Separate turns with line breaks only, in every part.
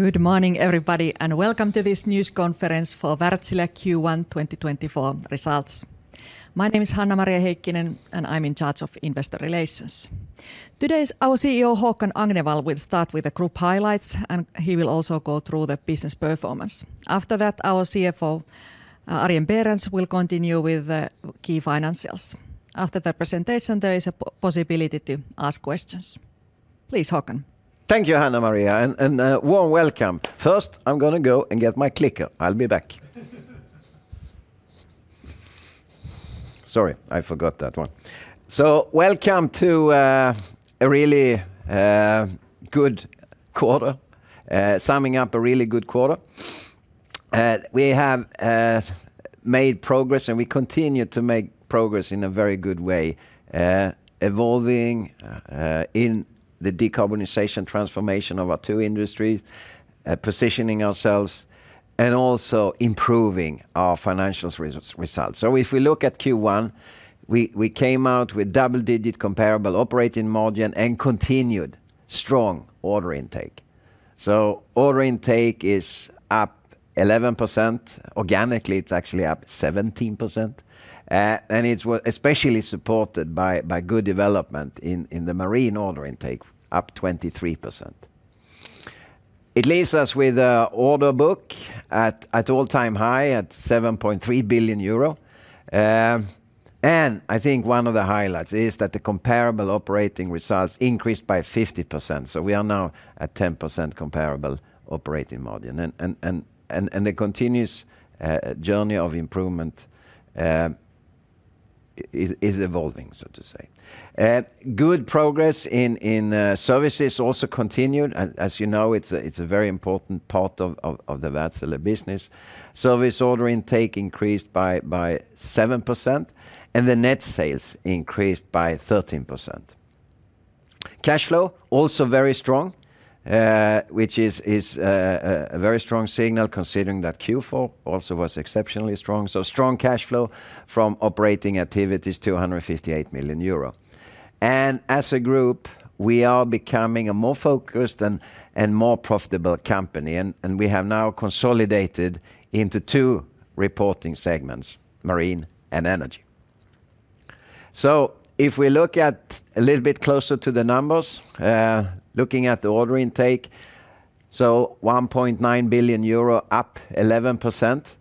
Good morning, everybody, and welcome to this news conference for Wärtsilä Q1 2024 results. My name is Hanna-Maria Heikkinen, and I'm in charge of investor relations. Today, our CEO, Håkan Agnevall, will start with the group highlights, and he will also go through the business performance. After that, our CFO, Arjen Berends, will continue with key financials. After the presentation, there is a possibility to ask questions. Please, Håkan.
Thank you, Hanna-Maria, and warm welcome. First, I'm gonna go and get my clicker. I'll be back. Sorry, I forgot that one. So welcome to a really good quarter, summing up a really good quarter. We have made progress, and we continue to make progress in a very good way, evolving in the decarbonization transformation of our two industries, positioning ourselves, and also improving our financials results. So if we look at Q1, we came out with double-digit comparable operating margin and continued strong order intake. So order intake is up 11%. Organically, it's actually up 17%, and it's especially supported by good development in the marine order intake, up 23%. It leaves us with an order book at all-time high, at 7.3 billion euro. I think one of the highlights is that the comparable operating results increased by 50%, so we are now at 10% comparable operating margin. The continuous journey of improvement is evolving, so to say. Good progress in services also continued. As you know, it's a very important part of the Wärtsilä business. Service order intake increased by 7%, and the net sales increased by 13%. Cash flow also very strong, which is a very strong signal considering that Q4 also was exceptionally strong, so strong cash flow from operating activities, 258 million euro. As a group, we are becoming a more focused and more profitable company, and we have now consolidated into two reporting segments, marine and energy. So if we look a little bit closer to the numbers, looking at the order intake, so 1.9 billion euro, up 11%,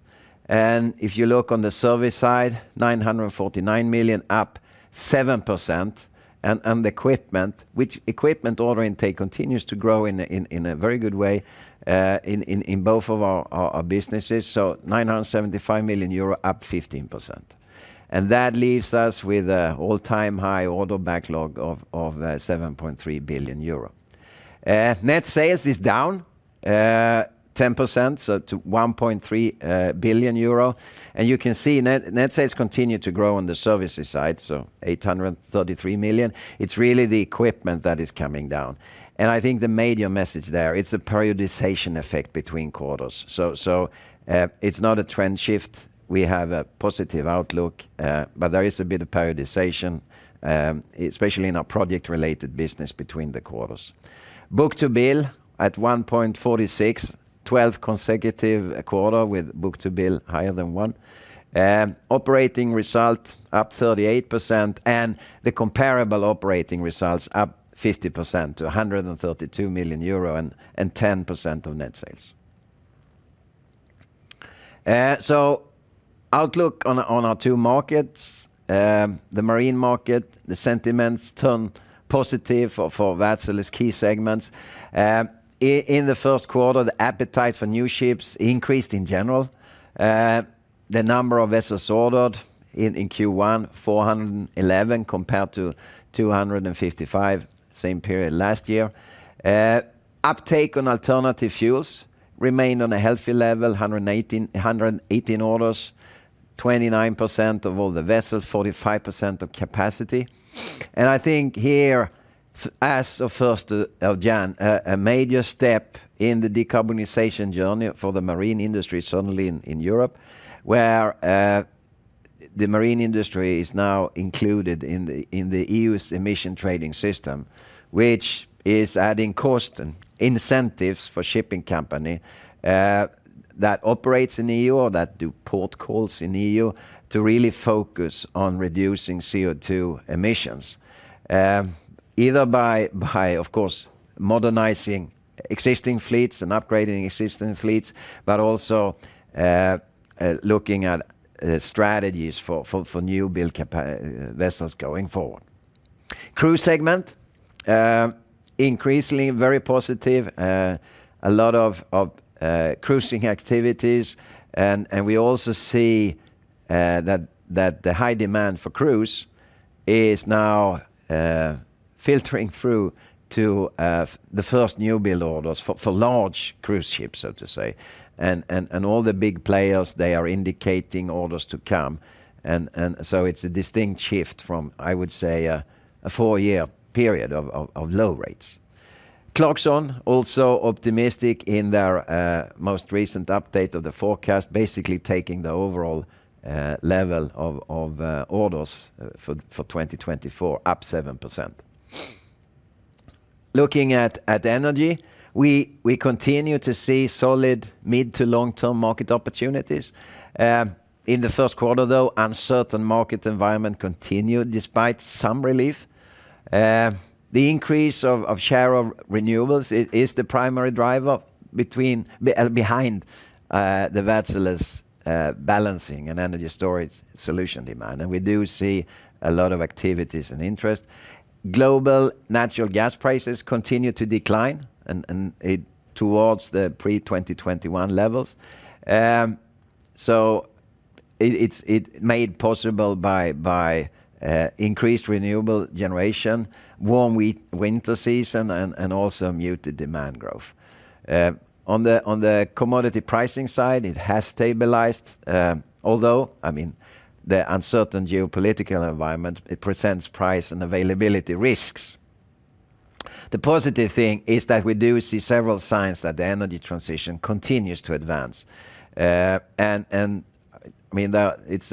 and if you look on the service side, 949 million, up 7%, and the equipment, which equipment order intake continues to grow in a very good way, in both of our businesses, so 975 million euro, up 15%. And that leaves us with an all-time high order backlog of 7.3 billion euro. Net sales is down 10%, so to 1.3 billion euro, and you can see net sales continue to grow on the services side, so 833 million. It's really the equipment that is coming down, and I think the major message there, it's a periodization effect between quarters. It's not a trend shift. We have a positive outlook, but there is a bit of periodization, especially in our project-related business between the quarters. Book-to-bill at 1.46, 12th consecutive quarter with book-to-bill higher than one. Operating result up 38%, and the comparable operating results up 50% to 132 million euro, and 10% of net sales. Outlook on our two markets, the marine market, the sentiments turn positive for Wärtsilä's key segments. In the first quarter, the appetite for new ships increased in general. The number of vessels ordered in Q1, 411, compared to 255, same period last year. Uptake on alternative fuels remained on a healthy level, 118 orders, 29% of all the vessels, 45% of capacity. And I think here, as a first in a major step in the decarbonization journey for the marine industry, certainly in Europe, where the marine industry is now included in the EU's Emissions Trading System, which is adding cost and incentives for shipping company that operates in EU or that do port calls in EU to really focus on reducing CO2 emissions, either by of course modernizing existing fleets and upgrading existing fleets, but also looking at strategies for new-build vessels going forward. Cruise segment increasingly very positive, a lot of cruising activities, and we also see that the high demand for cruise is now filtering through to the first new-build orders for large cruise ships, so to say. And all the big players, they are indicating orders to come, and so it's a distinct shift from, I would say, a four-year period of low rates. Clarksons also optimistic in their most recent update of the forecast, basically taking the overall level of orders for 2024 up 7%... Looking at energy, we continue to see solid mid- to long-term market opportunities. In the first quarter, though, uncertain market environment continued despite some relief. The increase of share of renewables is the primary driver behind the Wärtsilä's balancing and energy storage solution demand, and we do see a lot of activities and interest. Global natural gas prices continue to decline, and it towards the pre-2021 levels. So it's made possible by increased renewable generation, warm winter season, and also muted demand growth. On the commodity pricing side, it has stabilized, although, I mean, the uncertain geopolitical environment presents price and availability risks. The positive thing is that we do see several signs that the energy transition continues to advance. And, I mean, it's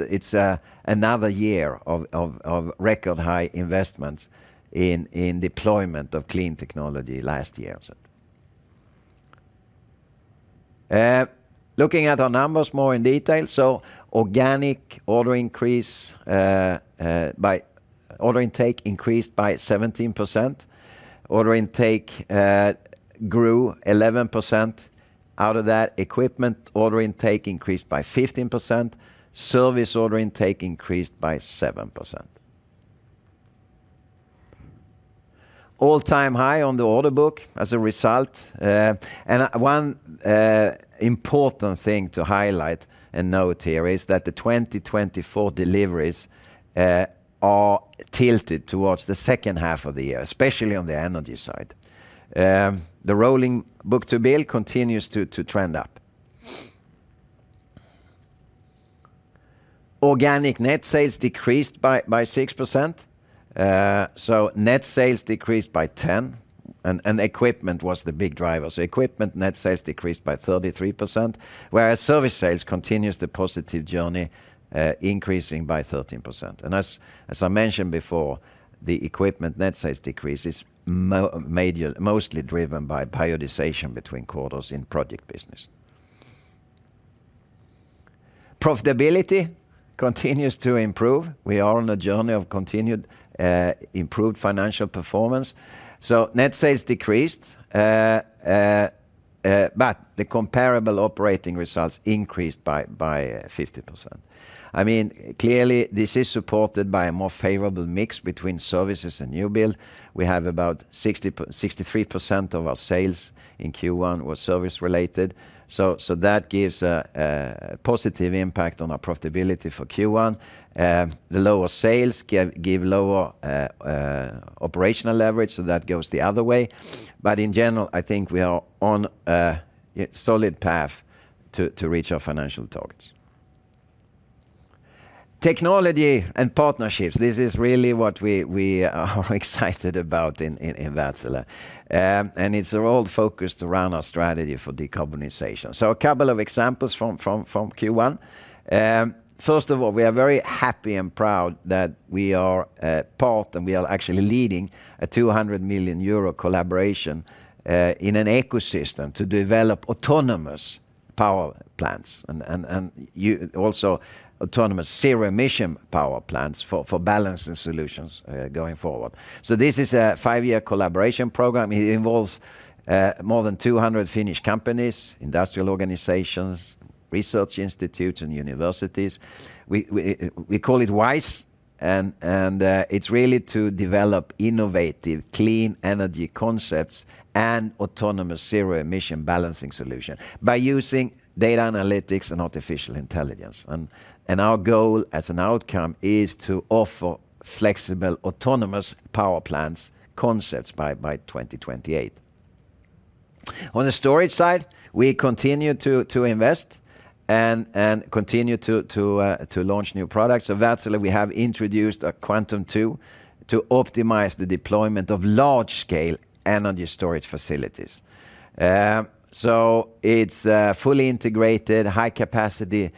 another year of record-high investments in deployment of clean technology last year. Looking at our numbers more in detail, so organic order increase by order intake increased by 17%. Order intake grew 11%. Out of that, equipment order intake increased by 15%, service order intake increased by 7%. All-time high on the order book as a result. And one important thing to highlight and note here is that the 2024 deliveries are tilted towards the second half of the year, especially on the energy side. The rolling book-to-bill continues to trend up. Organic net sales decreased by 6%. So net sales decreased by 10%, and equipment was the big driver. So equipment net sales decreased by 33%, whereas service sales continues the positive journey, increasing by 13%. As I mentioned before, the equipment net sales decrease is mostly driven by periodization between quarters in project business. Profitability continues to improve. We are on a journey of continued improved financial performance, so net sales decreased, but the comparable operating results increased by 50%. I mean, clearly, this is supported by a more favorable mix between services and new build. We have about 63% of our sales in Q1 was service-related, so that gives a positive impact on our profitability for Q1. The lower sales give lower operational leverage, so that goes the other way. But in general, I think we are on a solid path to reach our financial targets. Technology and partnerships, this is really what we are excited about in Wärtsilä. And it's all focused around our strategy for decarbonization. So a couple of examples from Q1. First of all, we are very happy and proud that we are a part, and we are actually leading a 200 million euro collaboration in an ecosystem to develop autonomous power plants and also autonomous zero-emission power plants for balancing solutions going forward. So this is a five-year collaboration program. It involves more than 200 Finnish companies, industrial organizations, research institutes, and universities. We call it WISE, and it's really to develop innovative, clean energy concepts and autonomous zero-emission balancing solution by using data analytics and artificial intelligence. And our goal as an outcome is to offer flexible, autonomous power plants concepts by 2028. On the storage side, we continue to invest and continue to launch new products. So Wärtsilä, we have introduced a Quantum2 to optimize the deployment of large-scale energy storage facilities. So it's a fully integrated, high-capacity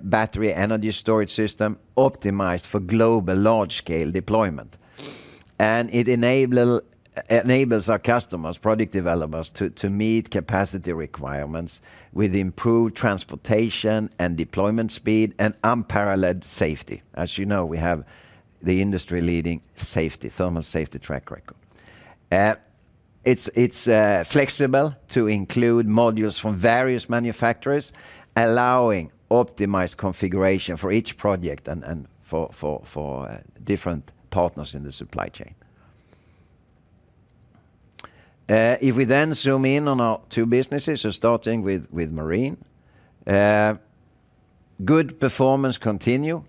battery energy storage system optimized for global large-scale deployment. And it enable, enables our customers, product developers, to meet capacity requirements with improved transportation and deployment speed, and unparalleled safety. As you know, we have the industry-leading safety, thermal safety track record. It's flexible to include modules from various manufacturers, allowing optimized configuration for each project and for different partners in the supply chain. If we then zoom in on our two businesses, so starting with Marine, good performance continue.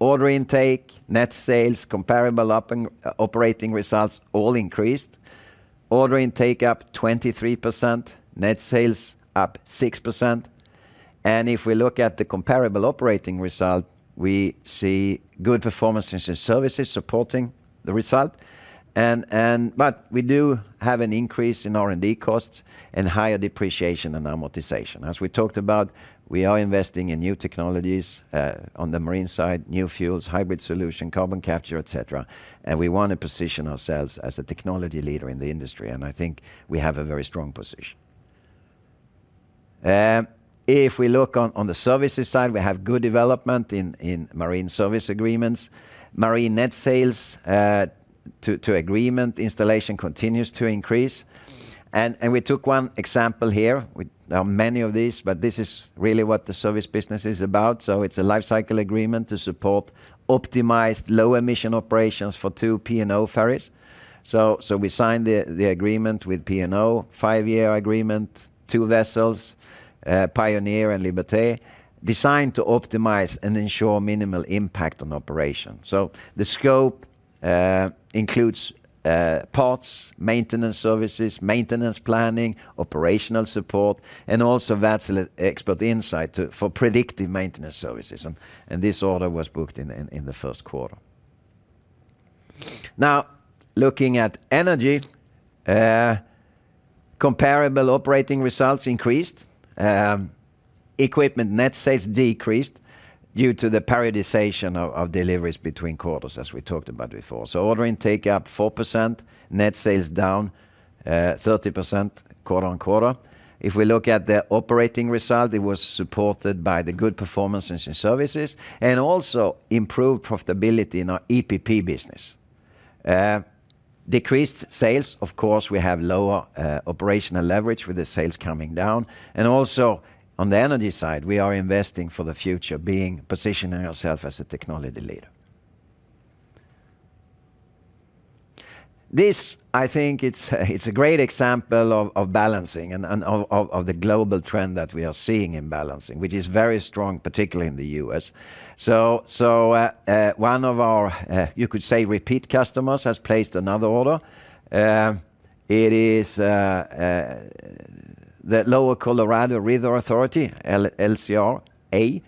Order intake, net sales, comparable up and operating results all increased. Order intake up 23%, net sales up 6%, and if we look at the comparable operating result, we see good performances in services supporting the result. But we do have an increase in R&D costs and higher depreciation and amortization. As we talked about, we are investing in new technologies on the Marine side, new fuels, hybrid solution, carbon capture, etc., and we want to position ourselves as a technology leader in the industry, and I think we have a very strong position. If we look on the services side, we have good development in marine service agreements. Marine net sales to agreement installation continues to increase. And we took one example here. There are many of these, but this is really what the service business is about. So it's a lifecycle agreement to support optimized low-emission operations for two P&O ferries. We signed the agreement with P&O, five-year agreement, two vessels, Pioneer and Liberté, designed to optimize and ensure minimal impact on operation. The scope includes parts, maintenance services, maintenance planning, operational support, and also Wärtsilä Expert Insight for predictive maintenance services. This order was booked in the first quarter. Now, looking at energy, comparable operating results increased. Equipment net sales decreased due to the periodization of deliveries between quarters, as we talked about before. Order intake up 4%, net sales down 30% quarter-on-quarter. If we look at the operating result, it was supported by the good performance in services, and also improved profitability in our EPP business. Decreased sales, of course, we have lower operational leverage with the sales coming down, and also on the energy side, we are investing for the future, positioning ourself as a technology leader. This, I think, it's a great example of balancing and of the global trend that we are seeing in balancing, which is very strong, particularly in the U.S. So, one of our, you could say, repeat customers has placed another order. It is the Lower Colorado River Authority, LCRA.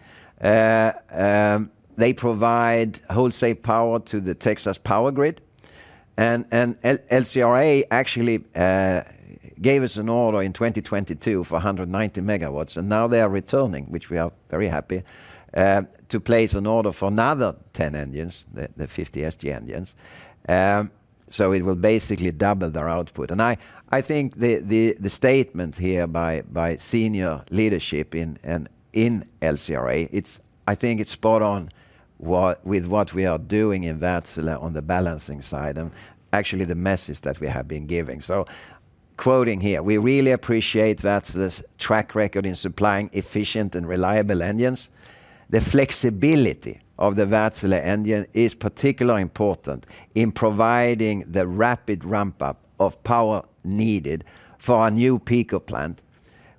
They provide wholesale power to the Texas power grid, and LCRA actually gave us an order in 2022 for 190 MW, and now they are returning, which we are very happy to place an order for another 10 engines, the 50 SG engines. So it will basically double their output. And I think the statement here by senior leadership in LCRA is spot on with what we are doing in Wärtsilä on the balancing side, and actually the message that we have been giving. So quoting here, "We really appreciate Wärtsilä's track record in supplying efficient and reliable engines. The flexibility of the Wärtsilä engine is particularly important in providing the rapid ramp-up of power needed for our new peak plant,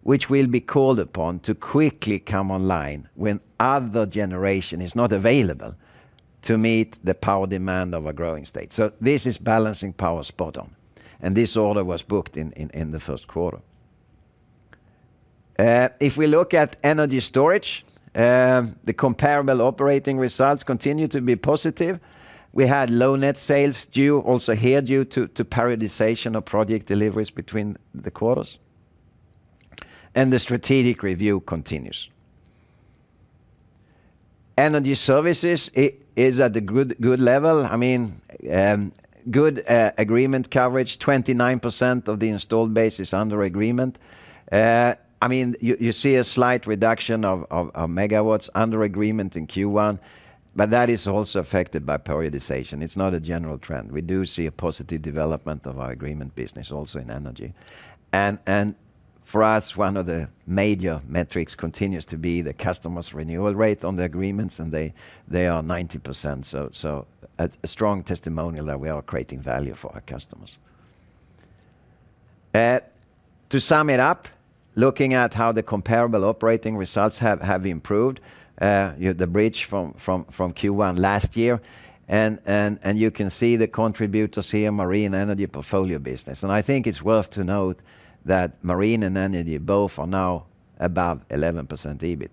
which will be called upon to quickly come online when other generation is not available to meet the power demand of a growing state. So this is balancing power spot on, and this order was booked in the first quarter. If we look at energy storage, the comparable operating results continue to be positive. We had low net sales due also here to periodization of project deliveries between the quarters. The strategic review continues. Energy services is at a good level. I mean, good agreement coverage, 29% of the installed base is under agreement. I mean, you see a slight reduction of megawatts under agreement in Q1, but that is also affected by periodization. It's not a general trend. We do see a positive development of our agreement business also in energy. For us, one of the major metrics continues to be the customers' renewal rate on the agreements, and they are 90%, so a strong testimonial that we are creating value for our customers. To sum it up, looking at how the comparable operating results have improved, you know, the bridge from Q1 last year, and you can see the contributors here, marine energy portfolio business. I think it's worth noting that marine and energy both are now above 11% EBIT,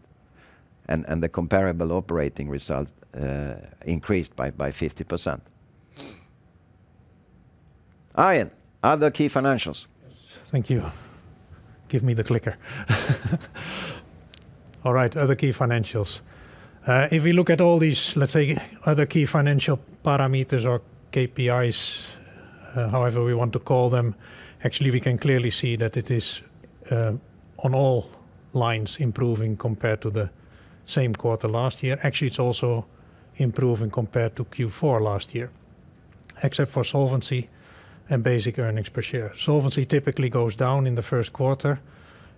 and the comparable operating results increased by 50%. Arjen, other key financials.
Yes. Thank you. Give me the clicker. All right, other key financials. If we look at all these, let's say, other key financial parameters or KPIs, however we want to call them, actually, we can clearly see that it is on all lines improving compared to the same quarter last year. Actually, it's also improving compared to Q4 last year, except for solvency and basic earnings per share. Solvency typically goes down in the first quarter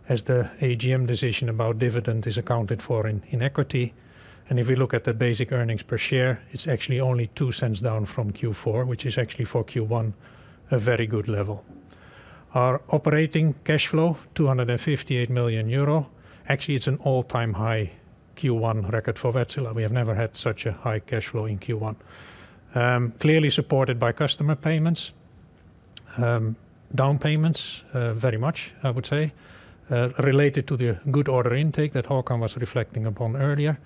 as the AGM decision about dividend is accounted for in equity. If we look at the basic earnings per share, it's actually only 0.02 down from Q4, which is actually for Q1, a very good level. Our operating cash flow, 258 million euro. Actually, it's an all-time high Q1 record for Wärtsilä. We have never had such a high cash flow in Q1. Clearly supported by customer payments, down payments, very much, I would say, related to the good order intake that Håkan was reflecting upon earlier.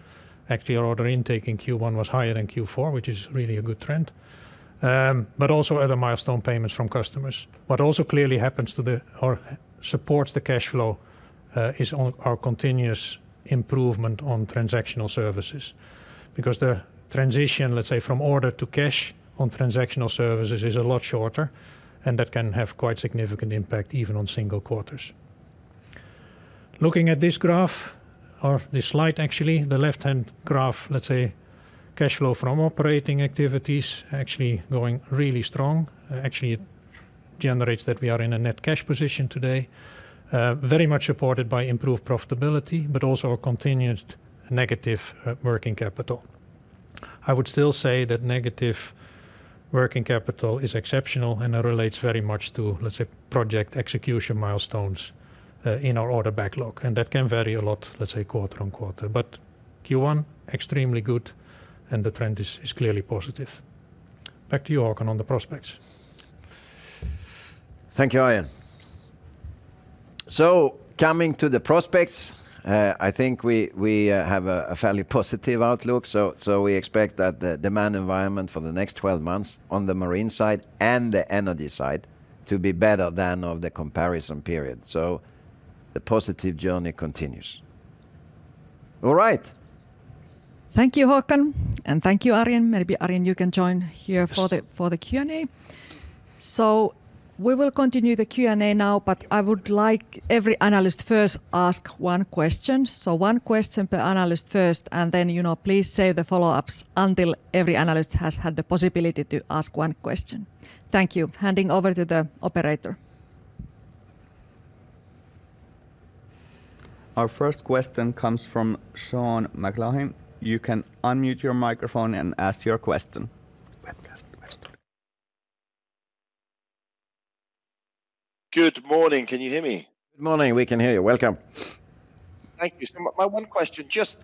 Actually, our order intake in Q1 was higher than Q4, which is really a good trend, but also other milestone payments from customers. What also clearly supports the cash flow is our continuous improvement on transactional services, because the transition, let's say, from order to cash on transactional services, is a lot shorter, and that can have quite significant impact, even on single quarters. Looking at this graph, or this slide actually, the left-hand graph, let's say, cash flow from operating activities actually going really strong. Actually, it generates that we are in a net cash position today, very much supported by improved profitability, but also a continuous negative working capital. I would still say that negative working capital is exceptional, and it relates very much to, let's say, project execution milestones in our order backlog, and that can vary a lot, let's say, quarter on quarter. But Q1, extremely good, and the trend is clearly positive. Back to you, Håkan, on the prospects.
Thank you, Arjen. So coming to the prospects, I think we have a fairly positive outlook. So we expect that the demand environment for the next 12 months on the marine side and the energy side to be better than of the comparison period, so the positive journey continues. All right!
Thank you, Håkan, and thank you, Arjen. Maybe, Arjen, you can join here for the-
Yes...
for the Q&A. So we will continue the Q&A now, but I would like every analyst first ask one question. So one question per analyst first, and then, you know, please save the follow-ups until every analyst has had the possibility to ask one question. Thank you. Handing over to the operator.
Our first question comes from Sean McLoughlin. You can unmute your microphone and ask your question.
Webcast question. Good morning. Can you hear me?
Good morning. We can hear you. Welcome.
Thank you. So my one question, just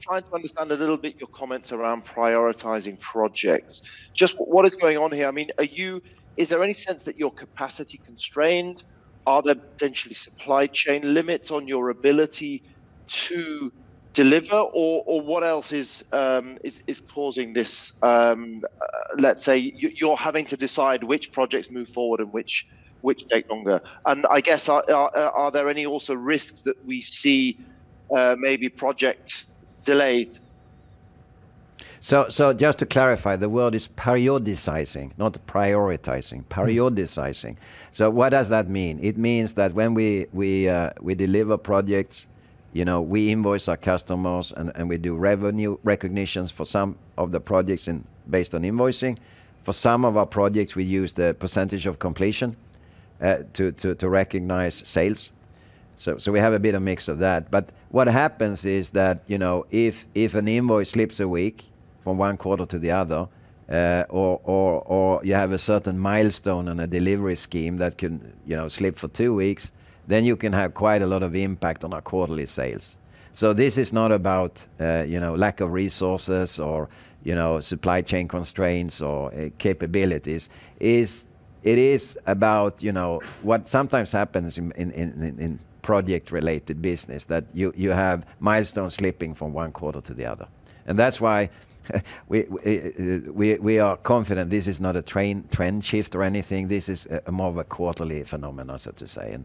trying to understand a little bit your comments around prioritizing projects. Just what is going on here? I mean, are you? Is there any sense that you're capacity constrained? Are there potentially supply chain limits on your ability to deliver, or what else is causing this, let's say, you're having to decide which projects move forward and which take longer? And I guess, are there any also risks that we see, maybe projects delayed?
So, just to clarify, the word is periodizing, not prioritizing. Periodizing. So what does that mean? It means that when we deliver projects, you know, we invoice our customers, and we do revenue recognitions for some of the projects in based on invoicing. For some of our projects, we use the percentage of completion to recognize sales. So we have a bit of mix of that. But what happens is that, you know, if an invoice slips a week from one quarter to the other, or you have a certain milestone on a delivery scheme that can, you know, slip for two weeks, then you can have quite a lot of impact on our quarterly sales. So this is not about, you know, lack of resources or, you know, supply chain constraints or capabilities. It is about, you know, what sometimes happens in project-related business, that you have milestones slipping from one quarter to the other. And that's why we are confident this is not a trend shift or anything. This is more of a quarterly phenomenon, so to say, and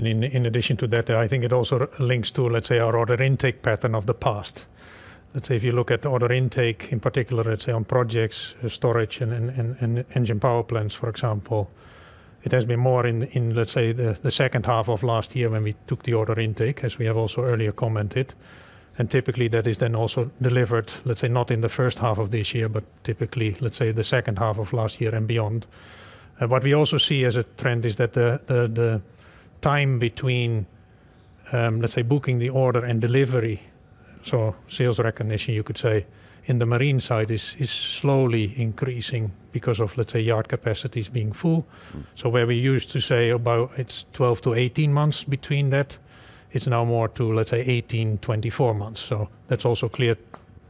yeah.
In addition to that, I think it also links to, let's say, our order intake pattern of the past. Let's say if you look at order intake, in particular, let's say on projects, storage, and engine power plants, for example, it has been more in, let's say, the second half of last year when we took the order intake, as we have also earlier commented, and typically that is then also delivered, let's say, not in the first half of this year, but typically, let's say, the second half of last year and beyond. What we also see as a trend is that the time between, let's say, booking the order and delivery, so sales recognition, you could say, in the marine side, is slowly increasing because of, let's say, yard capacities being full.
Mm-hmm.
So where we used to say about it's 12-18 months between that, it's now more to, let's say, 18-24 months. So that's also clear,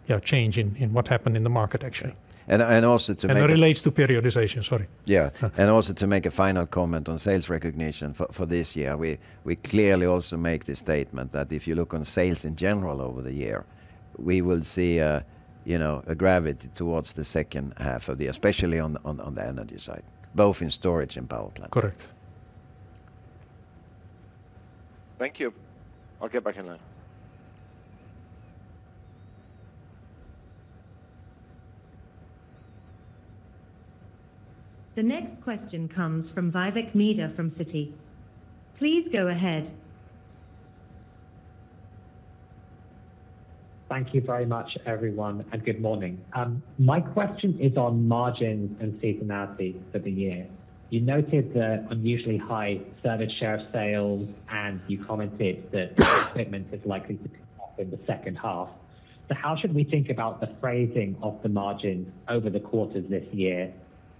yeah, change in, in what happened in the market actually.
And also to make-
It relates to periodization, sorry.
Yeah, and also to make a final comment on sales recognition for this year, we clearly also make the statement that if you look on sales in general over the year, we will see a, you know, a gravity towards the second half of the year... especially on the energy side, both in storage and power plant.
Correct.
Thank you. I'll get back in line.
The next question comes from Vivek Midha from Citi. Please go ahead.
Thank you very much, everyone, and good morning. My question is on margins and seasonality for the year. You noted the unusually high service share of sales, and you commented that equipment is likely to pick up in the second half. So how should we think about the phasing of the margin over the course of this year?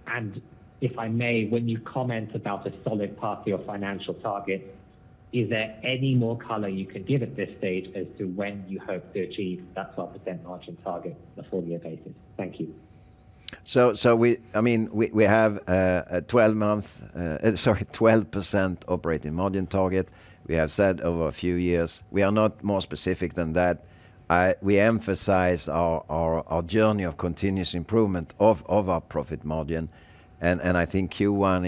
And if I may, when you comment about a solid path to your financial target, is there any more color you can give at this stage as to when you hope to achieve that 12% margin target on a full year basis? Thank you.
So, I mean, we have a 12% operating margin target. We have said over a few years, we are not more specific than that. We emphasize our journey of continuous improvement of our profit margin, and I think Q1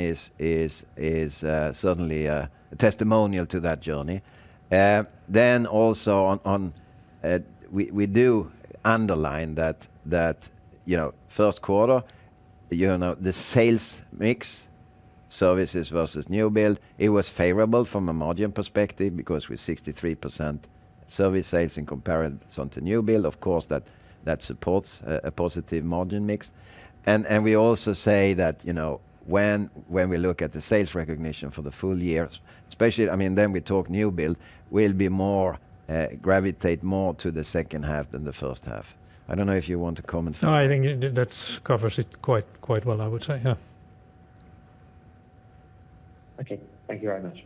is certainly a testimonial to that journey. Then also, we do underline that, you know, first quarter, you know, the sales mix, services versus new build, it was favorable from a margin perspective, because with 63% service sales in comparison to new build, of course, that supports a positive margin mix. We also say that, you know, when we look at the sales recognition for the full year, especially, I mean, then we talk new build, we'll be more gravitate more to the second half than the first half. I don't know if you want to comment?
No, I think that covers it quite, quite well, I would say. Yeah.
Okay. Thank you very much.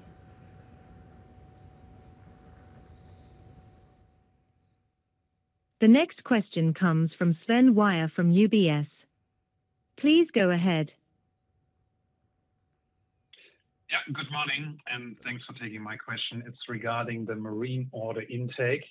The next question comes from Sven Weier from UBS. Please go ahead.
Yeah, good morning, and thanks for taking my question. It's regarding the marine order intake,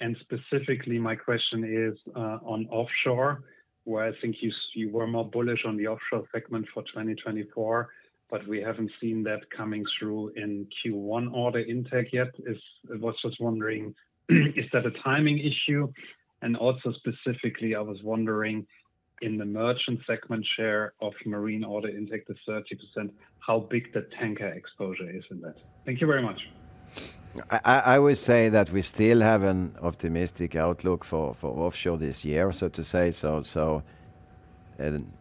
and specifically, my question is on offshore, where I think you were more bullish on the offshore segment for 2024, but we haven't seen that coming through in Q1 order intake yet. I was just wondering, is that a timing issue? And also, specifically, I was wondering, in the merchant segment share of marine order intake, the 30%, how big the tanker exposure is in that? Thank you very much.
I would say that we still have an optimistic outlook for offshore this year, so to say, and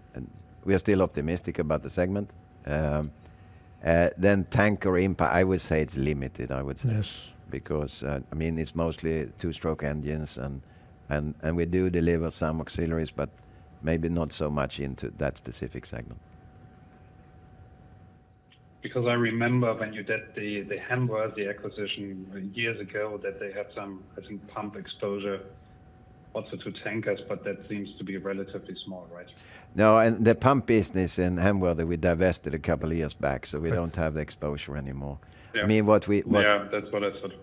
we are still optimistic about the segment. Then tanker impact, I would say it's limited, I would say.
Yes.
Because, I mean, it's mostly two-stroke engines, and we do deliver some auxiliaries, but maybe not so much into that specific segment.
Because I remember when you did the Hamworthy acquisition years ago, that they had some, I think, pump exposure also to tankers, but that seems to be relatively small, right?
No, and the pump business in Hamworthy, we divested a couple of years back, so we don't have exposure anymore.
Yeah.
I mean, what—
Yeah, that's what I thought.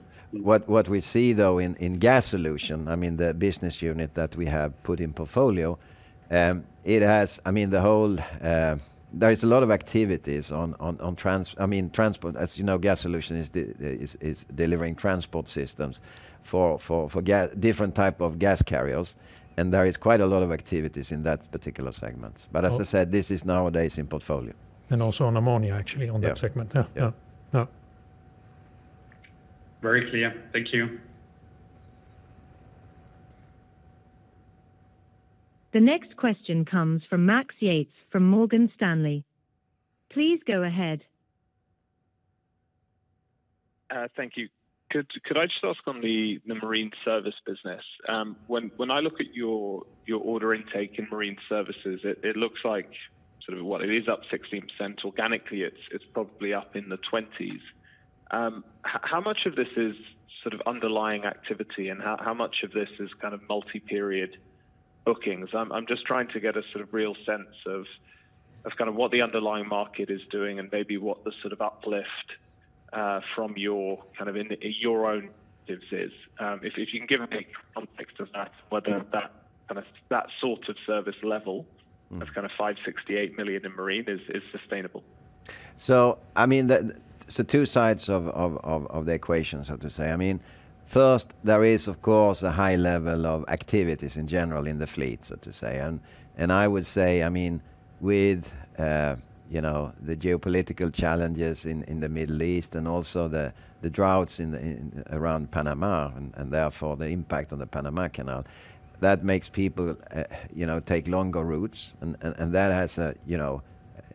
What we see, though, in gas solution, I mean, the business unit that we have put in portfolio, it has. I mean, the whole, there is a lot of activities on, I mean, transport. As you know, gas solution is delivering transport systems for different type of gas carriers, and there is quite a lot of activities in that particular segment.
Oh-
But as I said, this is nowadays in portfolio.
And also on ammonia, actually, on that segment.
Yeah.
Yeah. Yeah. Yeah.
Very clear. Thank you.
The next question comes from Max Yates from Morgan Stanley. Please go ahead.
Thank you. Could I just ask on the marine service business? When I look at your order intake in marine services, it looks like sort of what it is up 16%. Organically, it's probably up in the 20s. How much of this is sort of underlying activity, and how much of this is kind of multi-period bookings? I'm just trying to get a sort of real sense of kind of what the underlying market is doing and maybe what the sort of uplift from your kind of in your own services. If you can give a bit of context of that, whether that kind of that sort of service level-
Mm-hmm...
of kind of 568 million in Marine is sustainable.
So, I mean, so two sides of the equation, so to say. I mean, first, there is, of course, a high level of activities in general in the fleet, so to say. And I would say, I mean, with you know, the geopolitical challenges in the Middle East and also the droughts in around Panama, and therefore, the impact on the Panama Canal, that makes people you know, take longer routes, and that has a you know,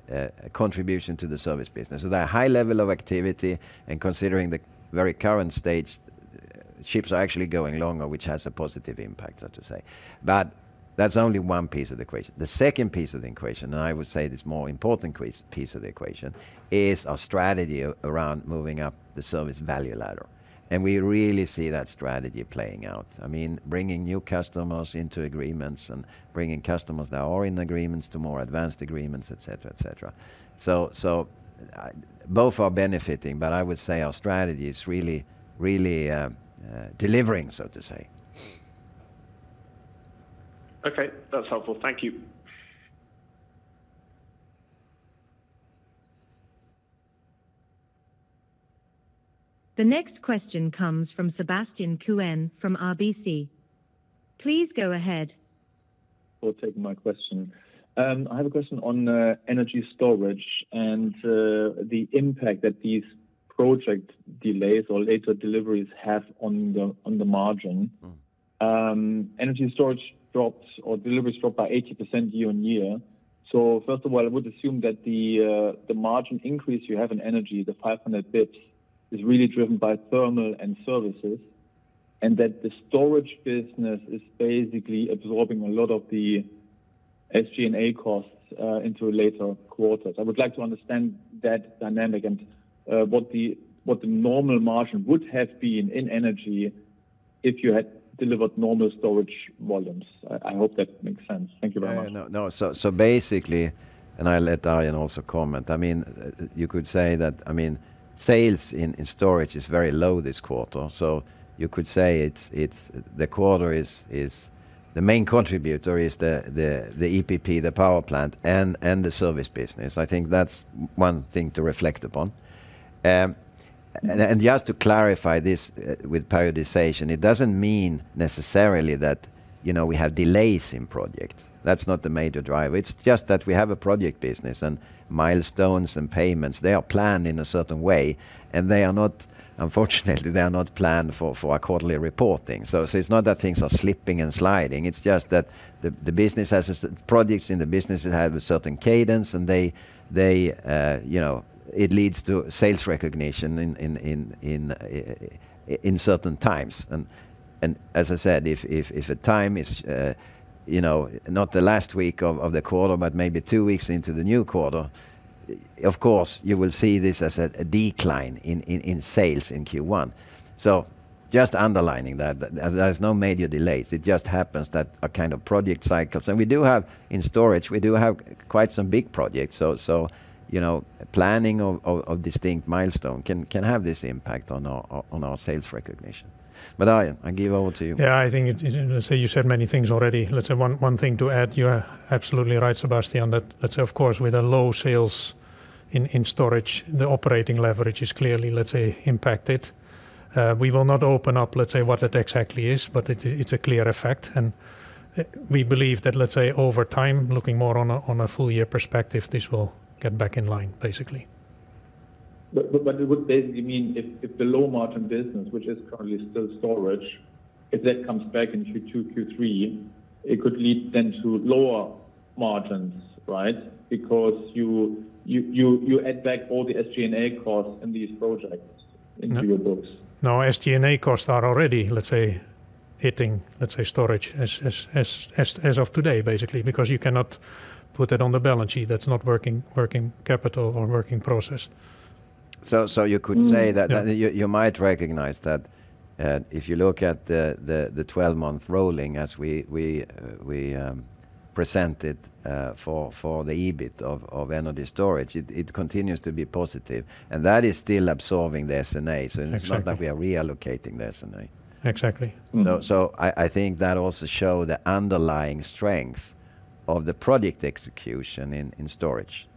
a contribution to the service business. So there are high level of activity, and considering the very current stage, ships are actually going longer, which has a positive impact, so to say. But that's only one piece of the equation. The second piece of the equation, and I would say this more important piece of the equation, is our strategy around moving up the service value ladder, and we really see that strategy playing out. I mean, bringing new customers into agreements and bringing customers that are in agreements to more advanced agreements, et cetera, et cetera. So, both are benefiting, but I would say our strategy is really, really, delivering, so to say.
Okay, that's helpful. Thank you.
The next question comes from Sebastian Kuenne from RBC. Please go ahead.
you for taking my question. I have a question on energy storage and the impact that these project delays or later deliveries have on the margin.
Mm.
Energy storage dropped, or deliveries dropped by 80% year-on-year. So first of all, I would assume that the margin increase you have in energy, the 500 basis points, is really driven by thermal and services, and that the storage business is basically absorbing a lot of the SG&A costs into later quarters. I would like to understand that dynamic and what the normal margin would have been in energy if you had delivered normal storage volumes. I hope that makes sense. Thank you very much.
No, no. So basically, and I'll let Darren also comment, I mean, you could say that, I mean, sales in storage is very low this quarter, so you could say it's... The quarter is the main contributor is the EPP, the power plant, and the service business. I think that's one thing to reflect upon. And just to clarify this, with periodization, it doesn't mean necessarily that, you know, we have delays in project. That's not the major driver. It's just that we have a project business, and milestones and payments, they are planned in a certain way, and unfortunately, they are not planned for our quarterly reporting. So, it's not that things are slipping and sliding, it's just that the business has projects in the business, it has a certain cadence, and they, you know, it leads to sales recognition in certain times. And as I said, if a time is, you know, not the last week of the quarter, but maybe two weeks into the new quarter, of course, you will see this as a decline in sales in Q1. So just underlining that there is no major delays, it just happens that a kind of project cycles. And we do have, in storage, quite some big projects. So, you know, planning of distinct milestone can have this impact on our sales recognition. Arjen, I give over to you.
Yeah, I think it, as you said, many things already. Let's say one thing to add, you're absolutely right, Sebastian, that of course, with low sales in storage, the operating leverage is clearly, let's say, impacted. We will not open up, let's say, what that exactly is, but it, it's a clear effect. And we believe that, let's say, over time, looking more on a full year perspective, this will get back in line, basically.
But it would basically mean if the low margin business, which is currently still storage, if that comes back in Q2, Q3, it could lead then to lower margins, right? Because you add back all the SG&A costs in these projects into your books.
No, SG&A costs are already, let's say, hitting, let's say, storage as of today, basically, because you cannot put that on the balance sheet. That's not working capital or working process.
So, you could say that-
Yeah...
you might recognize that, if you look at the 12-month rolling as we presented, for the EBIT of energy storage, it continues to be positive, and that is still absorbing the S&A.
Exactly.
It's not that we are reallocating the S&A.
Exactly. Mm-hmm.
I think that also show the underlying strength of the project execution in storage.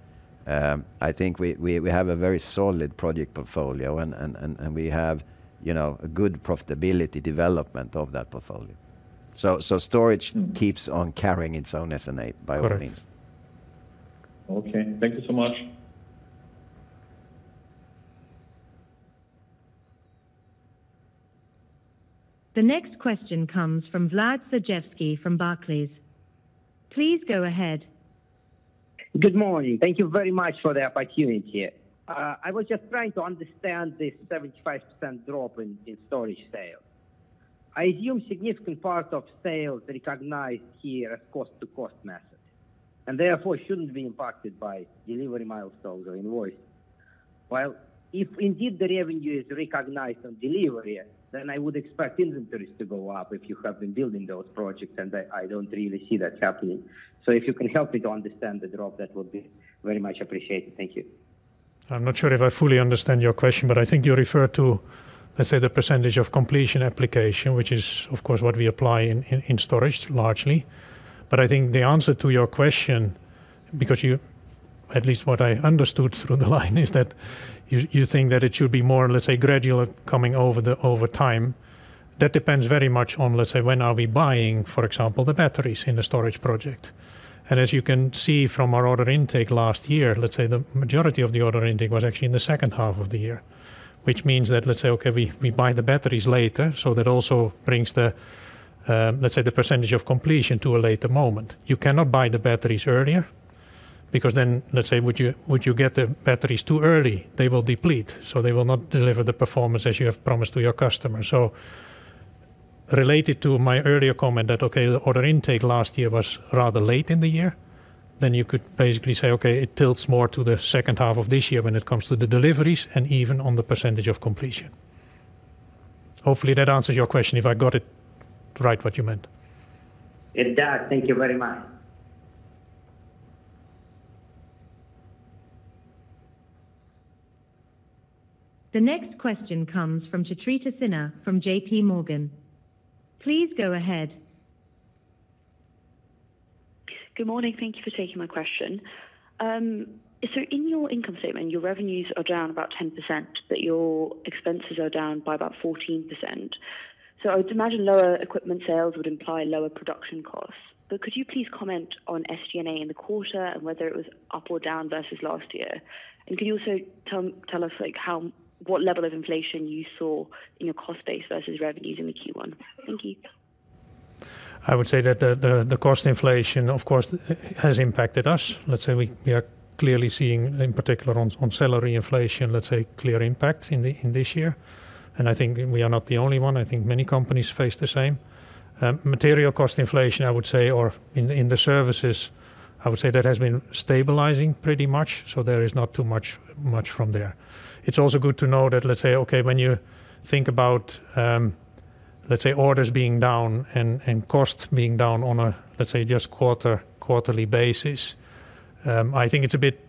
I think we have a very solid project portfolio and we have, you know, a good profitability development of that portfolio. So storage-
Mm
keeps on carrying its own S&A, by all means.
Correct.
Okay. Thank you so much.
The next question comes from Vlad Sergievski from Barclays. Please go ahead.
Good morning. Thank you very much for the opportunity here. I was just trying to understand the 75% drop in storage sales. I assume significant part of sales recognized here as cost to cost method, and therefore shouldn't be impacted by delivery milestones or invoicing. While if indeed the revenue is recognized on delivery, then I would expect inventories to go up if you have been building those projects, and I don't really see that happening. So if you can help me to understand the drop, that would be very much appreciated. Thank you.
I'm not sure if I fully understand your question, but I think you refer to, let's say, the percentage of completion application, which is, of course, what we apply in storage, largely. But I think the answer to your question, because you, at least what I understood through the line, is that you think that it should be more, let's say, gradual coming over time. That depends very much on, let's say, when are we buying, for example, the batteries in the storage project. And as you can see from our order intake last year, let's say the majority of the order intake was actually in the second half of the year, which means that, let's say, we buy the batteries later, so that also brings the, let's say, the percentage of completion to a later moment. You cannot buy the batteries earlier because then, let's say, would you get the batteries too early, they will deplete, so they will not deliver the performance as you have promised to your customers. So related to my earlier comment that, okay, the order intake last year was rather late in the year, then you could basically say, "Okay, it tilts more to the second half of this year when it comes to the deliveries and even on the percentage of completion." Hopefully, that answers your question, if I got it right, what you meant.
It does. Thank you very much.
The next question comes from Chitrita Sinha from J.P. Morgan. Please go ahead.
Good morning. Thank you for taking my question. So in your income statement, your revenues are down about 10%, but your expenses are down by about 14%. So I would imagine lower equipment sales would imply lower production costs. But could you please comment on SG&A in the quarter, and whether it was up or down versus last year? And can you also tell us, like, what level of inflation you saw in your cost base versus revenues in Q1? Thank you.
I would say that the cost inflation, of course, has impacted us. Let's say we are clearly seeing, in particular on salary inflation, let's say, clear impact in this year, and I think we are not the only one. I think many companies face the same. Material cost inflation, I would say, or in the services, I would say that has been stabilizing pretty much, so there is not too much from there. It's also good to know that, let's say, okay, when you think about, let's say, orders being down and costs being down on a, let's say, just quarterly basis, I think it's a bit...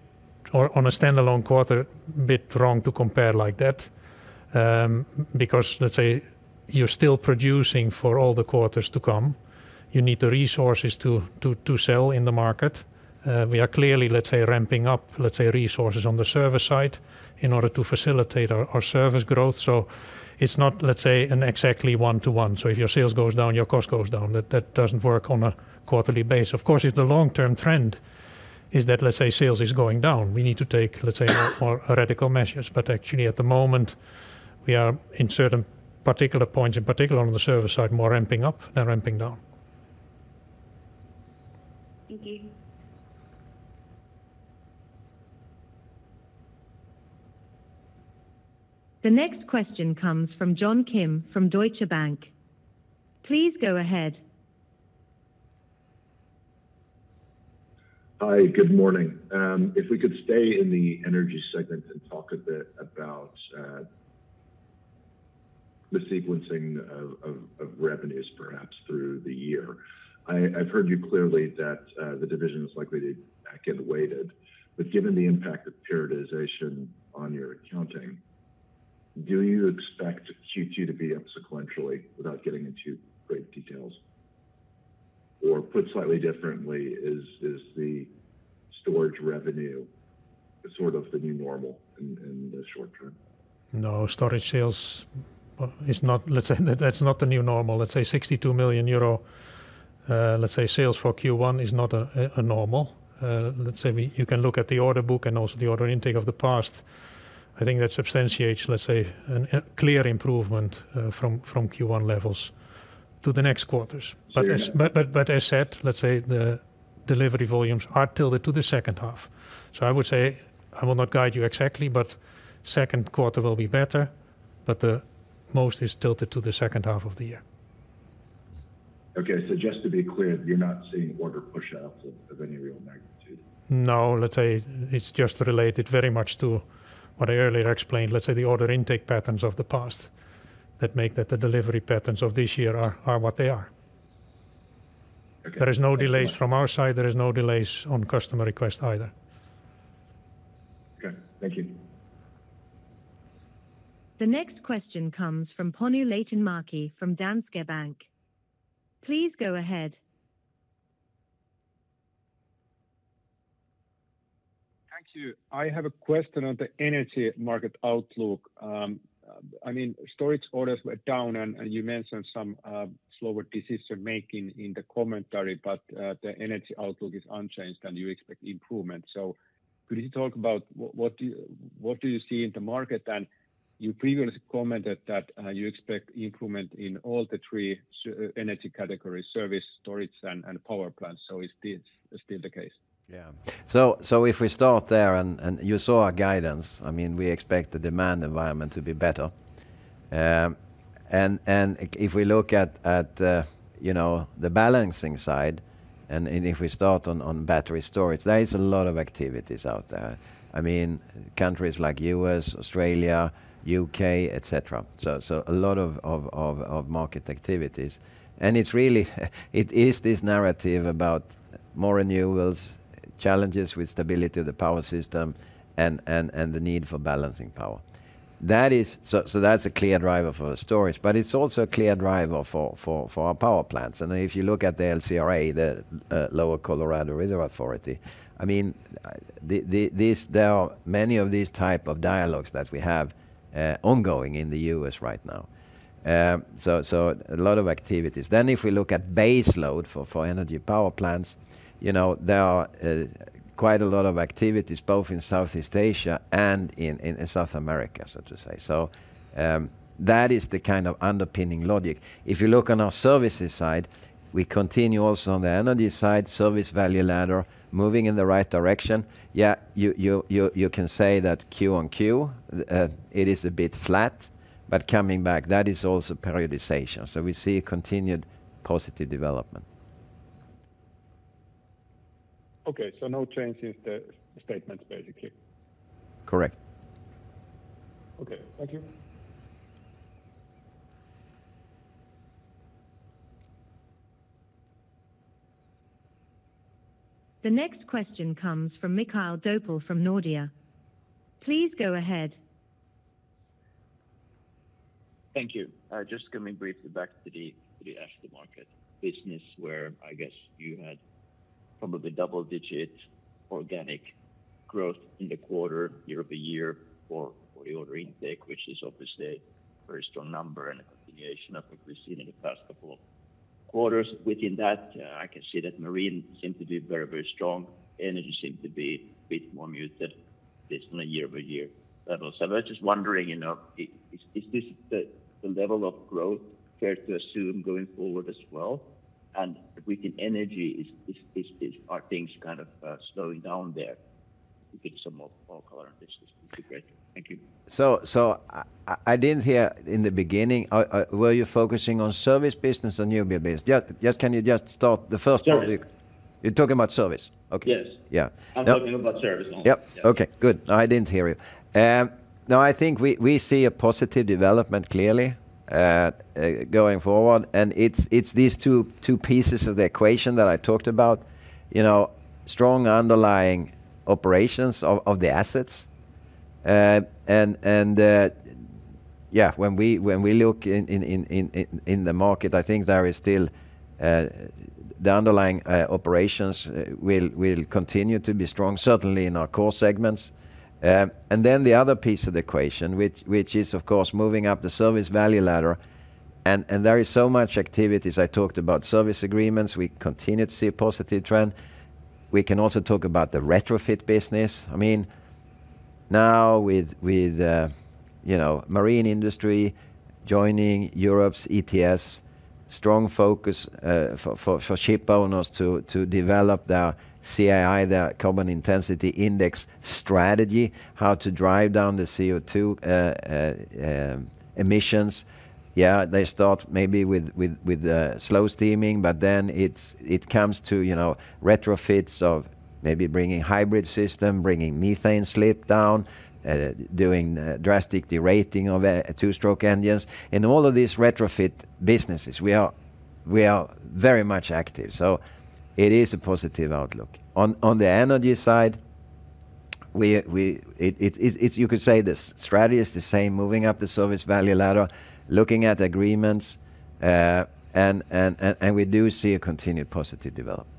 or on a standalone quarter, bit wrong to compare like that, because, let's say-... you're still producing for all the quarters to come. You need the resources to sell in the market. We are clearly, let's say, ramping up, let's say, resources on the service side in order to facilitate our service growth. So it's not, let's say, an exactly one-to-one. So if your sales goes down, your cost goes down. That doesn't work on a quarterly basis. Of course, if the long-term trend is that, let's say, sales is going down, we need to take, let's say, more radical measures. But actually at the moment, we are in certain particular points, in particular on the service side, more ramping up than ramping down.
Thank you.
The next question comes from John Kim from Deutsche Bank. Please go ahead.
Hi, good morning. If we could stay in the energy segment and talk a bit about the sequencing of revenues, perhaps through the year. I've heard you clearly that the division is likely to back-end weighted. But given the impact of periodization on your accounting, do you expect Q2 to be up sequentially without getting into great details? Or put slightly differently, is the storage revenue sort of the new normal in the short term?
No, storage sales is not. Let's say, that's not the new normal. Let's say 62 million euro sales for Q1 is not a normal. Let's say we, you can look at the order book and also the order intake of the past. I think that substantiates, let's say, a clear improvement from Q1 levels to the next quarters.
Clear-
But as I said, let's say the delivery volumes are tilted to the second half. So I would say, I will not guide you exactly, but second quarter will be better, but the most is tilted to the second half of the year.
Okay. Just to be clear, you're not seeing order pushouts of any real magnitude?
No, let's say, it's just related very much to what I earlier explained, let's say, the order intake patterns of the past, that make that the delivery patterns of this year are what they are.
Okay, thank you.
There is no delay from our side. There is no delay on customer request either.
Okay, thank you.
The next question comes from Panu Laitinmäki from Danske Bank. Please go ahead.
Thank you. I have a question on the energy market outlook. I mean, storage orders were down, and you mentioned some slower decision-making in the commentary, but the energy outlook is unchanged, and you expect improvement. So could you talk about what do you see in the market? And you previously commented that you expect improvement in all the three energy categories: service, storage, and power plants. So is this still the case?
Yeah. So if we start there, and you saw our guidance, I mean, we expect the demand environment to be better. And if we look at, you know, the balancing side, and if we start on battery storage, there is a lot of activities out there. I mean, countries like U.S., Australia, U.K., et cetera. So a lot of market activities. And it's really, it is this narrative about more renewables, challenges with stability of the power system and the need for balancing power. That is. So that's a clear driver for storage, but it's also a clear driver for our power plants. And if you look at the LCRA, the Lower Colorado River Authority, I mean, there are many of these type of dialogues that we have ongoing in the U.S. right now. So a lot of activities. Then, if we look at base load for energy power plants, you know, there are quite a lot of activities, both in Southeast Asia and in South America, so to say. So that is the kind of underpinning logic. If you look on our services side, we continue also on the energy side, service value ladder, moving in the right direction. Yeah, you can say that Q on Q it is a bit flat, but coming back, that is also periodization. So we see a continued positive development.
Okay, so no change in the statements, basically?
Correct.
Okay, thank you.
The next question comes from Mikael Doepel from Nordea. Please go ahead.
Thank you. Just coming briefly back to the after market business, where I guess you had probably double-digit organic growth in the quarter, year-over-year, for the order intake, which is obviously a very strong number and a continuation of what we've seen in the past couple quarters. Within that, I can see that marine seemed to be very, very strong. Energy seemed to be a bit more muted based on a year-over-year level. So I was just wondering, you know, is this the level of growth fair to assume going forward as well? And within energy, is... Are things kind of slowing down there? To get some more color on this would be great. Thank you.
So, I didn't hear in the beginning, were you focusing on service business or new build business? Just, can you start the first project?
Service.
You're talking about service. Okay.
Yes.
Yeah.
I'm talking about service only.
Yep. Okay, good. I didn't hear you. No, I think we see a positive development clearly going forward, and it's these two pieces of the equation that I talked about. You know, strong underlying operations of the assets-... yeah, when we look in the market, I think there is still the underlying operations will continue to be strong, certainly in our core segments. And then the other piece of the equation, which is, of course, moving up the service value ladder, and there is so much activities. I talked about service agreements. We continue to see a positive trend. We can also talk about the retrofit business. I mean, now with, you know, marine industry joining Europe's ETS, strong focus for ship owners to develop their CII, their Carbon Intensity Index strategy, how to drive down the CO2 emissions. Yeah, they start maybe with slow steaming, but then it comes to, you know, retrofits of maybe bringing hybrid system, bringing methane slip down, doing drastic derating of two-stroke engines. In all of these retrofit businesses, we are very much active, so it is a positive outlook. On the energy side, it's, you could say the strategy is the same, moving up the service value ladder, looking at agreements, and we do see a continued positive development.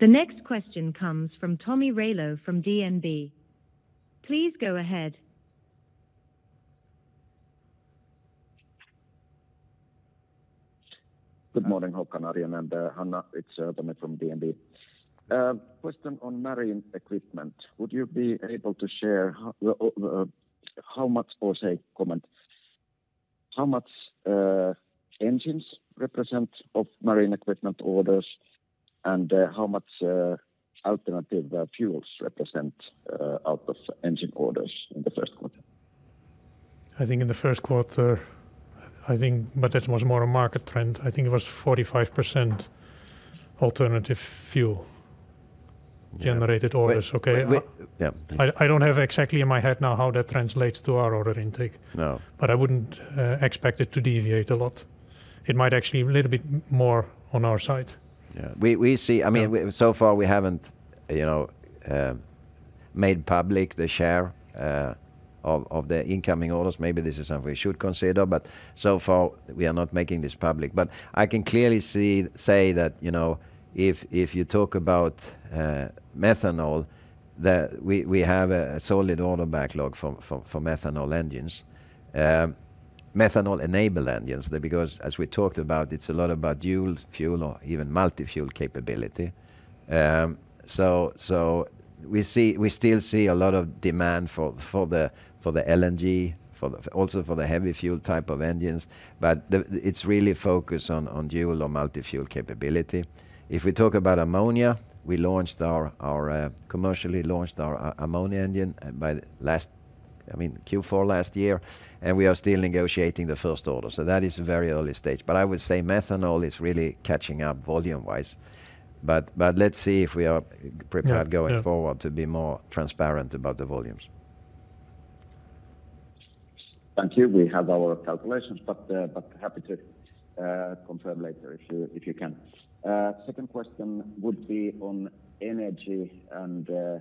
The next question comes from Tomi Railo from DNB. Please go ahead.
Good morning, Håkan, Arjen, and Hanna-Maria. It's Tomi from DNB. Question on marine equipment. Would you be able to share how much or, say, comment how much engines represent of marine equipment orders, and how much alternative fuels represent out of engine orders in the first quarter?
I think in the first quarter. I think... But that was more a market trend. I think it was 45% alternative fuel-
Yeah.
generated orders, okay?
But, yeah.
I don't have exactly in my head now how that translates to our order intake.
No.
But I wouldn't expect it to deviate a lot. It might actually be a little bit more on our side.
Yeah. We see-
Yeah.
I mean, so far, we haven't, you know, made public the share of the incoming orders. Maybe this is something we should consider, but so far we are not making this public. But I can clearly say that, you know, if you talk about methanol, that we have a solid order backlog for methanol engines. Methanol-enabled engines, because as we talked about, it's a lot about dual fuel or even multi-fuel capability. So we still see a lot of demand for the LNG, also for the heavy fuel type of engines, but it's really focused on dual or multi-fuel capability. If we talk about ammonia, we commercially launched our ammonia engine by last, I mean, Q4 last year, and we are still negotiating the first order. So that is a very early stage. But I would say methanol is really catching up volume-wise. But let's see if we are prepared-
Yeah. Yeah
going forward to be more transparent about the volumes.
Thank you. We have our calculations, but happy to confirm later if you can. Second question would be on energy and the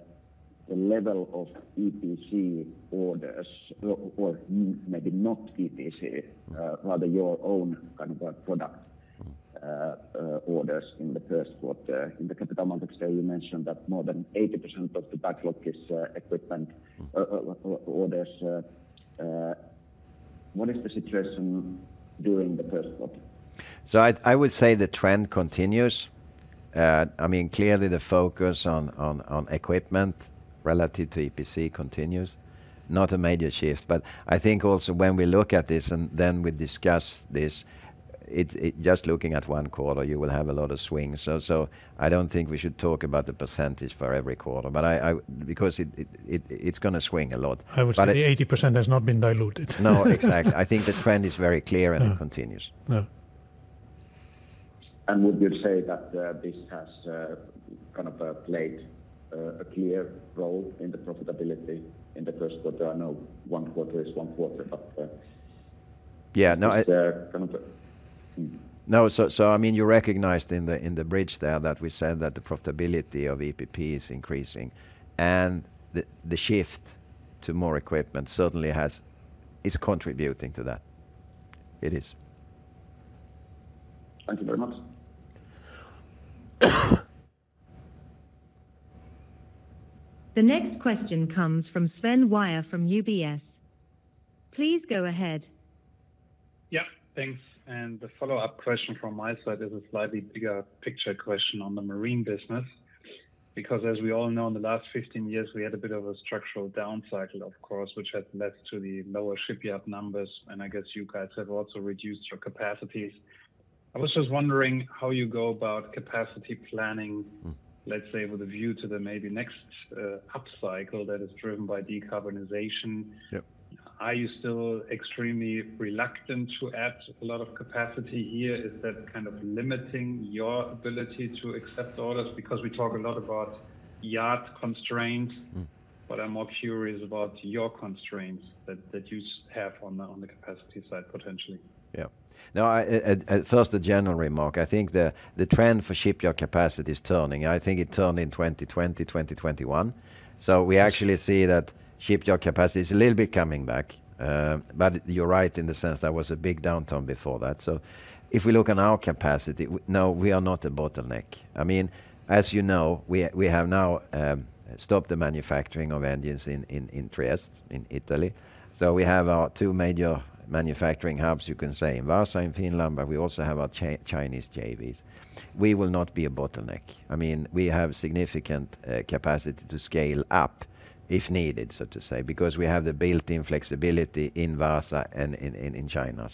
level of EPC orders, or maybe not EPC, rather your own kind of product orders in the first quarter. In the capital market today, you mentioned that more than 80% of the backlog is equipment orders. What is the situation during the first quarter?
So I would say the trend continues. I mean, clearly, the focus on equipment relative to EPC continues. Not a major shift, but I think also when we look at this, and then we discuss this, just looking at one quarter, you will have a lot of swings. So I don't think we should talk about the percentage for every quarter, but because it, it's gonna swing a lot. But-
I would say the 80% has not been diluted.
No, exactly. I think the trend is very clear-
Yeah...
and it continues.
Yeah.
Would you say that this has kind of played a clear role in the profitability in the first quarter? I know one quarter is one quarter, but
Yeah, no, I-
Kind of.
No, so, I mean, you recognized in the bridge there that we said that the profitability of EPP is increasing, and the shift to more equipment certainly is contributing to that. It is.
Thank you very much.
The next question comes from Sven Weier from UBS. Please go ahead.
Yeah, thanks. And the follow-up question from my side is a slightly bigger picture question on the marine business. Because as we all know, in the last 15 years, we had a bit of a structural downcycle, of course, which had led to the lower shipyard numbers, and I guess you guys have also reduced your capacities. I was just wondering how you go about capacity planning-
Mm...
let's say, with a view to the maybe next upcycle that is driven by decarbonization.
Yeah....
Are you still extremely reluctant to add a lot of capacity here? Is that kind of limiting your ability to accept orders? Because we talk a lot about yard constraints-
Mm.
but I'm more curious about your constraints that you have on the capacity side, potentially.
Yeah. No, I first, a general remark. I think the trend for shipyard capacity is turning, and I think it turned in 2020, 2021. So we actually see that shipyard capacity is a little bit coming back. But you're right in the sense there was a big downturn before that. So if we look at our capacity, no, we are not a bottleneck. I mean, as you know, we have now stopped the manufacturing of engines in Trieste, in Italy. So we have our two major manufacturing hubs, you can say, in Vaasa, in Finland, but we also have our Chinese JVs. We will not be a bottleneck. I mean, we have significant capacity to scale up if needed, so to say, because we have the built-in flexibility in Vaasa and in China.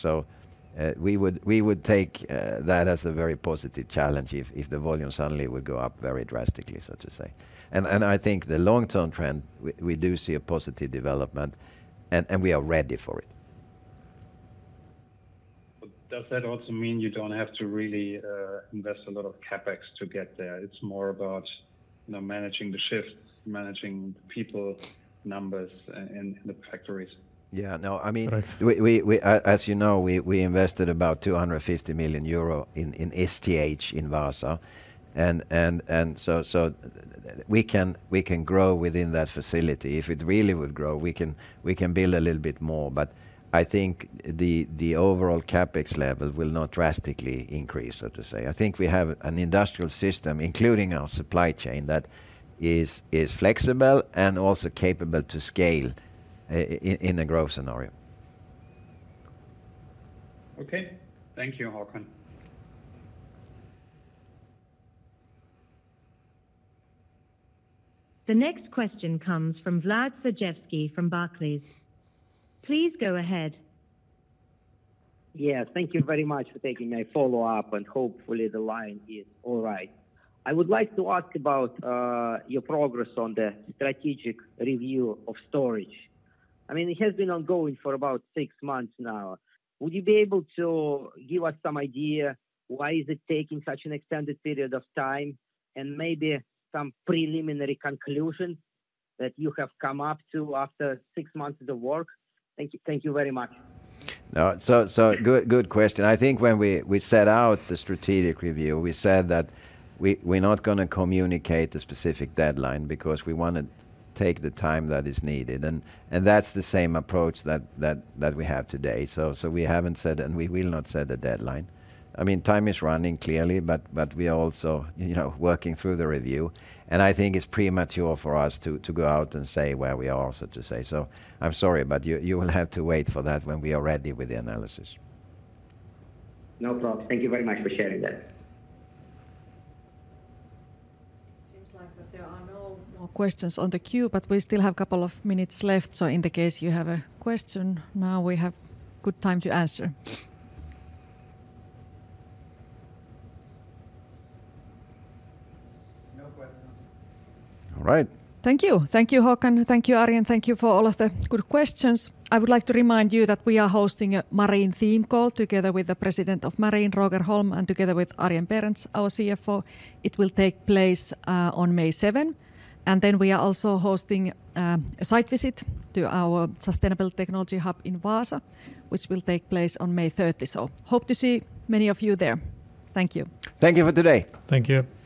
We would take that as a very positive challenge if the volume suddenly would go up very drastically, so to say. I think the long-term trend, we do see a positive development, and we are ready for it.
Does that also mean you don't have to really, invest a lot of CapEx to get there? It's more about, you know, managing the shift, managing the people numbers in the factories.
Yeah. No, I mean-
Right...
as you know, we invested about 250 million euro in STH, in Vaasa. And so we can grow within that facility. If it really would grow, we can build a little bit more, but I think the overall CapEx level will not drastically increase, so to say. I think we have an industrial system, including our supply chain, that is flexible and also capable to scale in a growth scenario.
Okay. Thank you, Håkan.
The next question comes from Vlad Sergievski from Barclays. Please go ahead.
Yes, thank you very much for taking my follow-up, and hopefully the line is all right. I would like to ask about your progress on the strategic review of storage. I mean, it has been ongoing for about six months now. Would you be able to give us some idea why is it taking such an extended period of time, and maybe some preliminary conclusion that you have come up to after six months of the work? Thank you. Thank you very much.
No, so good question. I think when we set out the strategic review, we said that we're not gonna communicate the specific deadline because we wanna take the time that is needed, and that's the same approach that we have today. So we haven't set and we will not set a deadline. I mean, time is running clearly, but we are also, you know, working through the review. And I think it's premature for us to go out and say where we are, so to say. So I'm sorry, but you will have to wait for that when we are ready with the analysis.
No problem. Thank you very much for sharing that.
Seems like that there are no more questions on the queue, but we still have a couple of minutes left. So in the case you have a question, now we have good time to answer.
No questions.
All right.
Thank you. Thank you, Håkan. Thank you, Arjen. Thank you for all of the good questions. I would like to remind you that we are hosting a marine theme call together with the President of Marine, Roger Holm, and together with Arjen Berends, our CFO. It will take place on May 7, and then we are also hosting a site visit to our Sustainable Technology Hub in Vaasa, which will take place on May 30. So hope to see many of you there. Thank you.
Thank you for today.
Thank you.